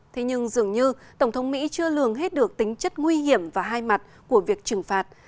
thế nhưng dường như tổng thống mỹ chưa lường hết được tính chất nguy hiểm và hai mặt của việc trừng phạt